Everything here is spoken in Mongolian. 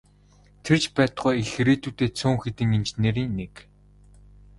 Тэр ч байтугай их ирээдүйтэй цөөн хэдэн инженерийн нэг.